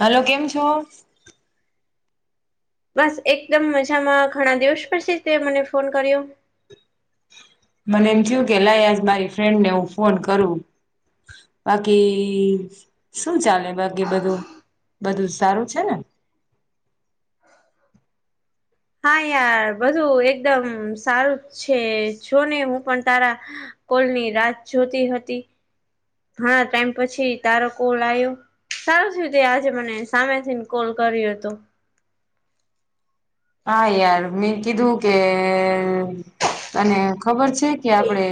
Hello કેમ છો? બસ એકદમ મજામાં ઘણા દિવસ પછી તે મને ફોન કર્યો. મને એમ થયું કે લાય આજ મારી ફ્રેન્ડને હું ફોન કરું. બાકી શું ચાલે બાકી બધું બધું સારું છે ને. હા યાર બધું એકદમ સારું છે જોને હું પણ તારા કોલની રાહ જ જોતી હતી. હા ટાઈમ પછી તારો કોલ આવ્યો. સારું થયું તે આજે મને સામેથીને કોલ કર્યો તો. હા યાર મેં કીધું કે તને ખબર છે. છે કે આપડે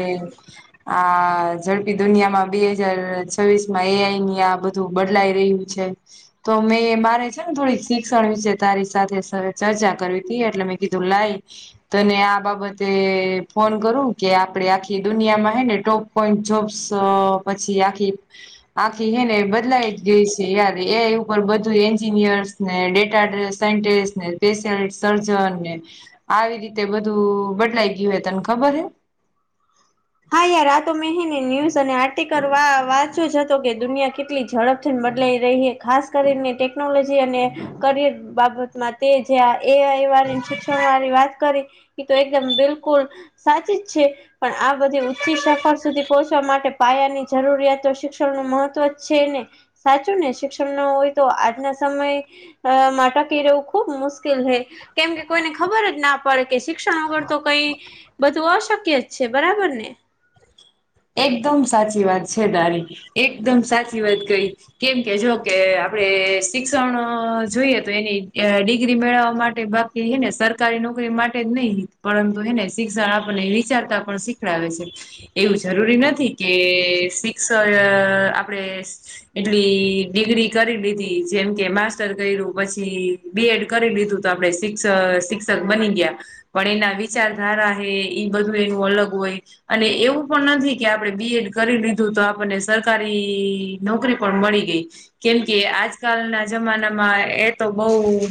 આ ઝડપી દુનિયામાં બે હજાર છવીસ માં એ આઈ ની આ બધું બદલાઈ રહ્યું છે. તો મેં મારે છે ને થોડીક શિક્ષણ વિશે તારી સાથે ચ ચર્ચા કરવી તી એટલે મેં કીધું લાય. તને આ બાબતે ફોન કરું કે આપડે આખી દુનિયામાં હૈ ને ટોપ પોઈન્ટ જોબ્સ પછી આખી આખી હે ને બદલાઈ જ ગઈ છે યાર એ આઈ ઉપર બધું એન્જિનિયર્સ ને ડેટા સાયન્ટિસ્ટ ને સ્પેશલ સર્જન ને આવી રીતે બધું બદલાઈ ગયું હોય તને ખબર હે. હા યાર આતો મે હેને ન્યૂઝ અને આર્ટિકલ વા વાંચ્યો જ હતો કે દુનિયા કેટલી ઝડપ થી બદલાઈ રહી હે ખાસ કરીને ટેકનોલોજી અને કરિયર બાબતમાં. તે જ એ આ એ આઈ વાળી શિક્ષણ વાળી વાત કરી એ તો એકદમ બિલકુલ સાચી જ છે પણ આ તો બધી ઉંચી સફર સુધી પહોચવા માટે પાયાની જરૂરિયાતો શિક્ષણનુ મહત્વ છે ન. સાચું ને શિક્ષણ ન હોય તો આજના સમયે અ માટા કિ રહેવું ખૂબ મુશ્કેલ હૈ. કેમ કે કોઈને ખબર જ ના પડે કે શિક્ષણ વગર તો કઈ બધું અશક્ય છે‌. બરાબરને એકદમ સાચી વાત છે દારી એકદમ સાચી વાત કઈ કેમ કે જો કે આપડે શિક્ષણ જોઈએ તો એની ડિગ્રી મેળવવા માટે કે હને સરકારી નોકરી માટે જ નહી પરંતુ હને શિક્ષણ આપણને વિચારતા પણ શીખડાવે છે. એવું જરૂરી નથી કે શિક્ષણ આપડે એટલી ડિગ્રી કરી લીધી જેમ કે માસ્ટર કર્યું પછી બીએડ કરી લીધું તો આપડે શિક્ષ શિક્ષક બની ગયા પણ એના વિચારધારા હે એ બધું એનું અલગ હોય અને એવું એ પણ નથી કે આપણે બી એડ કરી લીધું તો આપણને સરકારી નોકરી પણ મળી ગઈ કેમ કે આજકાલના જમાનામાં એ તો બહુ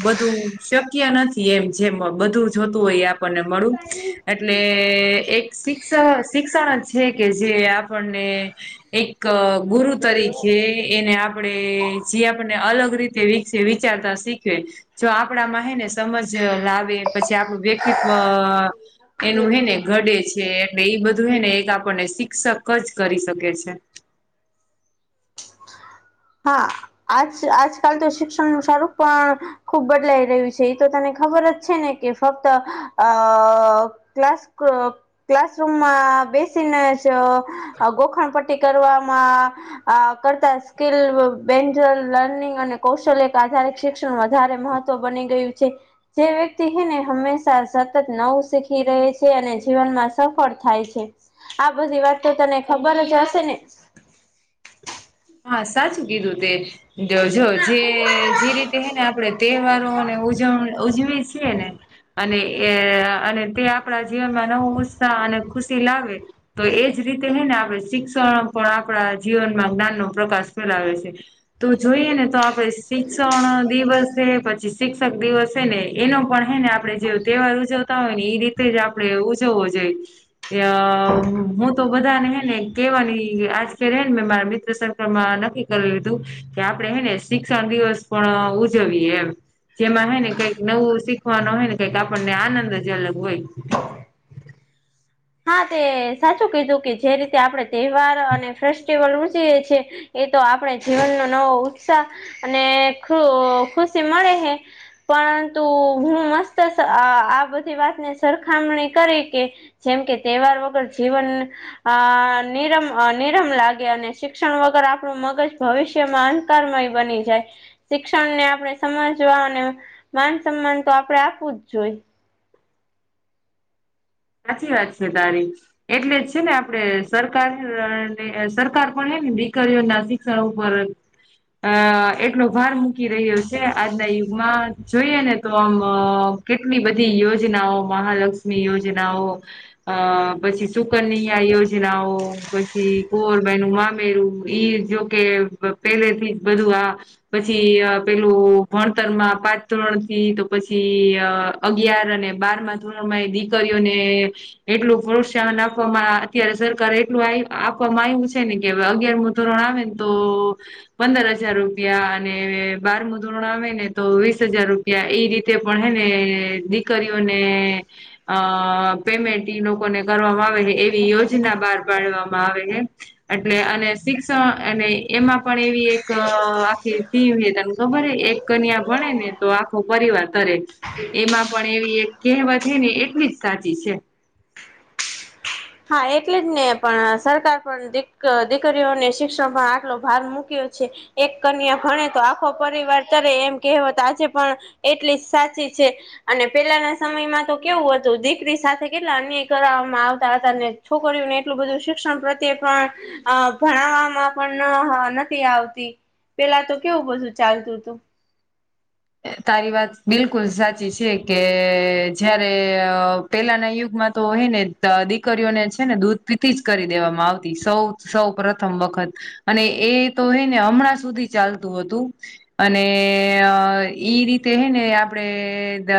બધું શક નથી એમ જેમ બધું જોતું હોય આપણને મળ એટલે એક શિક્ષ શિક્ષણ જ છે કે જે આપણને એક ગુરુ તરીકે એને આપણેે જે આપને અલગ રીતે વ વિચારતા શીખવે જો આપણામાં હને સમજ લાવે પછી આપણું વ્યક્તિત્વ એનું હેને ઘડે છે એટલે એ બધું હેને એક આપણને શિક્ષક જ કરી શકે છે. હા આજ આજકાલ તો શિક્ષણનું સારું પણ ખૂબ બદલાઈ રહ્યું છે એ તો તને ખબર જ છે ને કે ફક્ત અ ક્લાસ ક્લાસરૂમમાં બેસીને ગોખણ પટ્ટી કરવામાં કરતા સ્કીલ બેન્જર લર્નિંગ અને કૌશલ એક આધાર શિક્ષણ વધારે મહત્વ બની ગયું છે. જે વ્યક્તિ એને હંમેશા સતત નવું શીખી રહે છે અને જીવનમાં સફળ થાય છે. આ બધી વાત તો તને ખબર જ હશે ને હા સાચું કીધું તે જો જો જે જે રીતે હે ને આપણે તહેવારોને ઉજવ ઉજવી છીએ ને અને એ અને તે આપણા જીવનમાં નવો ઉત્સાહ અને ખુશી લાવે તો એજ રીતે હ ને આપણે શિક્ષણ પણ આપણા જીવનમાં જ્ઞાનનો પ્રકાશ ફેલાવે છે. તો જોઈએ ને તો આપડે શિક્ષણ દિવસ છે પછી શિક્ષક દિવસ ને એનો પણ હે ને આપડણે જે તહેવાર ઉજવતા હોય ને એ રીતે જ આપડણે ઉજવવો જોઈએ હું તો બધા ને હે ને કેવાની આજ કેે ને મે મારા મિત્ર સર નક્કી કરી લીધું કે આપડણે હે ને શિક્ષણ દિવસ પણ ઉજવીએ એમ જેમાં હય ને કંઈક નવું શીખવાનું હોય ને કઈક આપણને આનંદ જ અલગ હોય હા તે સાચું કીધું કે જે રીતે આપડણે તહેવાર અને ફેસ્ટિવલ ઉજવીએ છેએ એ તો આપણે જીવનનો નવો ઉત્સાહ અને ખ ખુશી મળે હે પરંતુ હું મસ્ત આ બધી વાતની સરખામણી કરી કે જેમ કે તહેવાર વગર જીવન અ નિરમ નિરમ લાગે અને શિક્ષણ વગર આપણું મગજ ભવિષ્યમાં કરમય બની જાય શિક્ષણને આપણે સમજવા અને માન સન્માન તો આપડણે આપવું જ જોઈએ સાચી વાત છે તારી એટલે છે ને આપડે સરકાર સરકાર પણ ને દીકરીઓ ના સું બ અ એટલો ભાર મૂકી રહ્યો છે આજના યુગમાં જોઈએ ને તો આમ કેટલી બધી યોજનાઓ મહાલક્ષ્મી યોજનાઓ અ પછી સુકન્યા આ યોજનાઓ પછી કુંવરભાઈનું મામેરું ઈ યોજ- કે પેલે થી જ બધું આ પછી પેલું ભણતરમાં પાચ ધોરણ થી તો પછી અગિયાર અને બાર માં ધોરણમાં એ દીકરીઓને એટલું પ્રોત્સાહન આપવામાં અત્યારે સરકારે એટલું આપવામાં આવ્યું છે ને કેવે અગિયાર મુ ધોરણ આવેન તો પંદર હજાર રૂપિયા અને બારમું ધોરણ આવે ને તો વીસ હજાર રૂપ પિયા ઈ રીતે પણ હે ને દીકરીઓને અ પેમેન્ટ ઇ લોકોને કરવામાં આવે ને એવી યોજના બાર પાડવામાં આવે હે એટલે અને શિક્ષણ અને એમાં પણ એવી ક આખી [unintelligible] તને ખબર હે એક કન્યા ભણે ને તો આખો પરિવાર તરે. એમાં પણ એવી એક કેહવત હે ને એટલી જ સાચી છે. હા, એટલે જ ને પણ સરકાર પણ દિક દીકરીઓને શિક્ષણ માં આટલો ભાર મૂક્યો છે. એક કન્યા ભણે તો આખો પરિવાર તરે એમ કહેવત આજે પણ એટલી જ સાચી છે. અને પેલાના સમયમાં તો કેવું હતું દીકરી સાથે કેટલા અન્યાય કરવામાં આવ તા હતા ને છોકરીયું ને એટલું બધું શિક્ષણ પ્રત્યે પણ અ ભણાવામાં પણ ન હ નથી આવતી. પેલા તો કેવું બધું ચાલતું તું. તારી વાત બિલકુલ સાચી છે કે જયારે અ પેલાના યુગમાં તો હે ને દીકરીઓને છે ને દૂધ પીતી જ કરી દેવામાં આવતી સૌ સૌ પ્રથમ વખત અને એ તો હે ને હમણાં સુધી ચાલતું હતું. અને અય. ઈ રીતે હે ને આપડે દ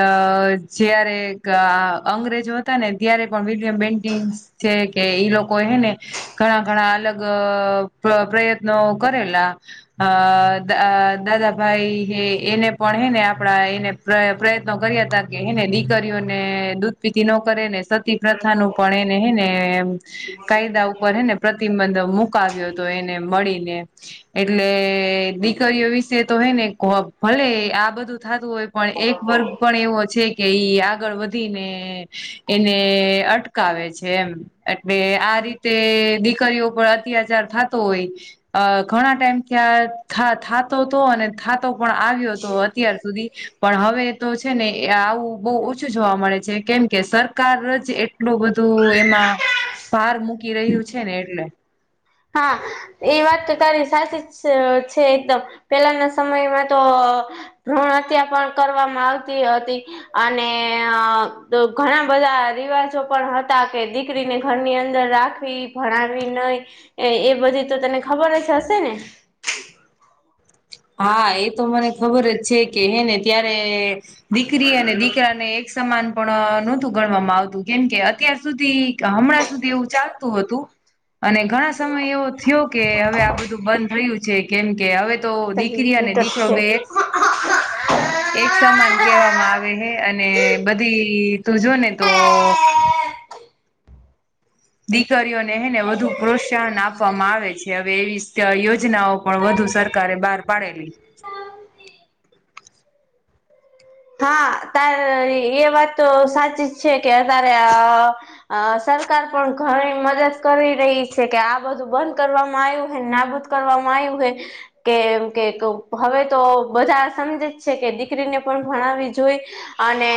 જયારે કા અંગ્રેજો હતા ને ત્યારે પણ [unintelligible] [unintelligible] છે કે ઈ લોકો હે ને ઘણા ઘણા અલગ પ્ર પ્રયત્નો કરેલા. અ દા દાદા ભાઈ હે એને પણ હે ને આપણા એને [unintelligible] પ્રયત્નો કર્યા તા કે હે ને દીકરીઓને દૂધપીતી નો કરે ને સતી પ્રથા નું પણ એને હે ને કાયદા ઉપર હે ને પ્રતિમંધ મુકાવ્યો તો એને મળીને. એટલે દીકરીઓ વિશે તો હે ને [unintelligible] ભલે આ બધું થાતું હોય પણ એક વર્ગ. પણ એવો છે કે ઈ આગળ વધીને એને અટકાવે છે એમ. એટલે આ રીતે દીકરીઓ ઉપર અત્યાચાર થાતો હોય. અ ઘણા ટાઈમ થયાં થા થાતો તો અને થાતો પણ આવ્યો તો. અત્યાર સુધી. પણ હવે તો છે ને એ આવું બોવ ઓછું જોવા મળે છે કેમ કે સરકાર જ એ ટલું બધું એમાં ભાર મૂકી રહ્યું છે ને એટલે. હા, એ વાત તો તારી સાચી છ છે એકદમ. પેલાના સમયમાં તો ભ્રૂણ હત્યા પણ કરવામાં આવતી હતી. અને અ તો ઘણા બધા રિવાજો પણ હતા કે દીકરીને ઘરની અંદર રાખ વી ભણાવી નઈ એ એ બધી તો તને ખબર જ હશે ને? હા, એ તો મને ખબર જ છે કે હે ને ત્યારે. દીકરી અને દીકરાને, એક સમાન પણ નહોતું, ગણવામાં આવતું, કેમ કે અત્યાર સુધી. કે હમણાં સુધી એવું ચાલતું હતું, અને ઘણા સમય એવો થયો. કે હવે આ બધું બંધ થયું છે, કેમ કે હવે તો દીકરી ને કમ્પ્લીટ જ દીકરો છે બે હ. એક સમાન કહેવામાં આવે હે, અને બધી તું જોને તો દીકરીઓને એને વધુ પ્રોત્સાહન આપવામાં આવે છે, હવે એવી યોજનાઓ પણ વધુ સર કારે બહાર પાડેલી. તારે એ વાત તો સાચી છે કે, તારે અ સરકાર પણ ઘણી મદદ કરી રહી છે કે, આ બધું બંધ કરવામાં આવ્યું હોને, નાબદ કરવામાં આવ્યું હ. કેમ કે, હવે તો બધા સમજે જ છે કે, દીકરીને પણ ભણાવવી જોઈ. અને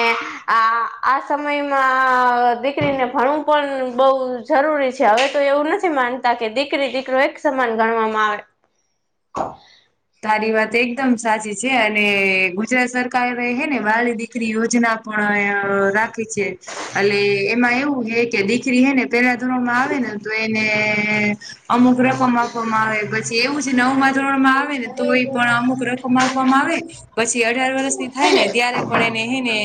આ આ સમયમાં દીકરીને, ભણું પણ બઉ. જરૂરી છે, હવે તો એવું નથી માનતા કે દીકરી-દીકરો એક સમાન ગણવામાં આવે. [unintelligible] તારી વાત એકદમ સાચી છે, અને ગુજરાત સરકાર રહે હ ને, વાળી દીકરી યોજના. પણ રાખે છે, એટ એમાં એવું હે કે, દીકરી હે ને, પેલા ધોરણમાં આવે ને, તો એને અમુક રકમ આપવામાં આવે, પછી એવું છે, નવ માં ધોરણ તો એ પણ અમુક રકમ આપવામાં આવે, પછી અઢાર વર્ષની થાય ને ત્યારે પણ એને હ ને,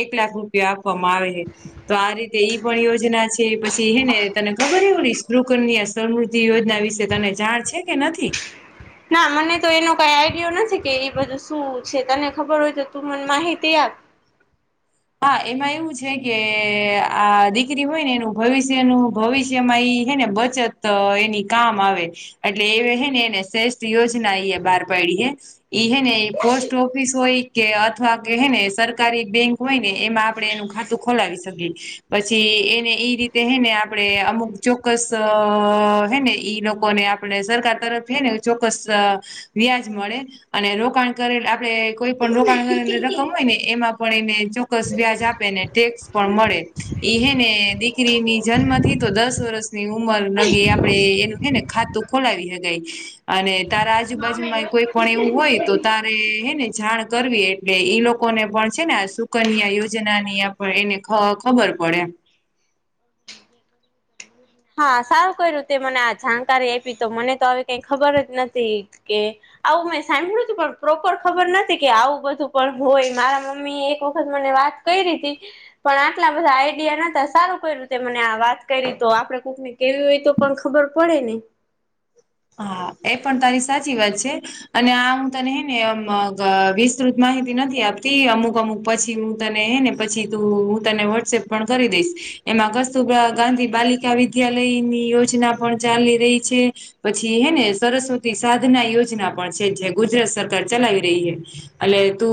એક લાખ રૂપિયા આપવામાં આવે છે. તો આ રીતે ઈ પણ યોજના છે, પછી હે ને, તને ખબર એવું હી સક ની. સમૃદ્ધિ યોજના વિશે તને જાણ છે કે, નથી. ના મને તો એનો કઈ આઈડિયો નથી કે, એ બધું શું છે, તને ખબર હોય તો તું મને માહિતી આપ? હા, એમાં એવું છે કે, આ દીકરી હોય ને, એનું ભવિષ્યનું ભવિષ્યમાં એ હે ને, બ જ એની કામ આવે. એટલે એ હે ને, એને શ્રેષ્ઠ યોજના અ બહાર પાડીએ. ઈ હેને, પોસ્ટ ઓફિસ હોય કે, અથવા કે હેને, સરકારી બેંક. હોય ને, એમાં આપણે એનું ખાતું ખોલાવી શકીએ, પછી એને એઈ રીતે હય ને, આપણે અમુક ચોક્કસ હે ને, ઈ લોકો ને આપણે સરકાર તરફ હને, ચોક્કસ. વ્યાજ મળે. અને રોકાણ કરે, આપણે કોઈ પણ રોકાણ કરેલી રકમ હોય ને, એમાં પણ એને ચોક્કસ, વ્યાજ આપે ને, ટેક્સ પણ મળે. ઈ હે ને, દીકરીની જન્મ થી તો દસ વર્ષની ઉંમર લગી આપડે, એનું હે ને ખાતું. ખોલાવી હ ગ એ [unintelligible] અને તારા આજુબાજુમાં કોઈ પણ એવું હોય તો, તારે હે ને જાણ કરવી. એટ ઈ લોકોને પણ છે ને, સુકન્યા યોજના ની એને ખબર પડે. હા સારું, કઈ રીતે મને આ જાણકારી આપી તો, મને તો હવે કઈ ખબર જ નથી કે. આવું મેં સાંભળ્યું તું, પણ પ્રોપર ખબર નથી કે, આવું બધું પણ હોય, મારા મમ્મી એક વખત મને વાત પણ આટલા બધા આઈડિયા નતા, સારું કરઈું તે મને વાત કરી તો આપડે. ક ને કેવી હોય તો, પણ ખબર પડે ને. હા, એ પણ તારી સાચી વાત છે. અને આ હું તને હે નેમ વિસ્તૃત માહિતી નથી આપતી, અમુક-અમુક. પછી હું તને હ ને, પછી તું હું તને વોટ્સએપ પણ કરી દઈશ, એમાં કસ્તુરબા ગાંધી બાલિકા. વિદ્યાલયની યોજના પણ ચાલી રહી છે. પછી હે ને, સરસ્વતી સાધના યોજના પણ છે, જે ગુજરાત સરકાર ચલાવી રહી હ. અલ્યા એતો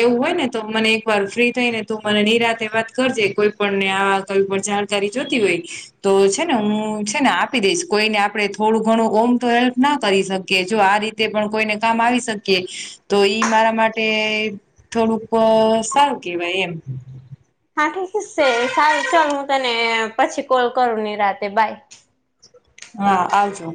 એવું હોય ને તો મને એક વાર ફ્રી થઈ ને તું મને નિરાતેે વાત કરજે કોઈ પણને આ કઈ પણ જાણકારી જોતી હોય તો છે ને હું છે ને આપી દઈશ કોઈને આપડે થોડું ઘણું ઓમ તો હેલ્પ ના કરી શકીએ જો આ રીતે પણ કોઈને કામ આવી શકીએ તો ઈ મારા માટે થોડુંક અ સારું કેવાય એમ હાંઠું સુષે સારું ચલ હું તને પછી કોલ કરું નીરાતે બાય હા આવજો